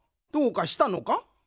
どうかしたのか？